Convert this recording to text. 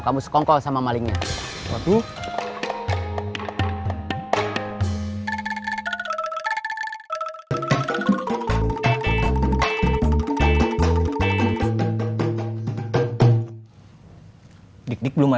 kenapa bung askong gak ke cimahi